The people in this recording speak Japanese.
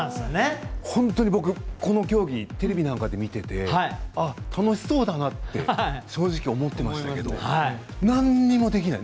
本当に僕、この競技テレビなんかで見てて楽しそうだなって正直、思ってましたけどなんにもできない。